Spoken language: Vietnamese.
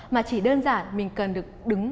mà chỉ đơn giản mình cần được đứng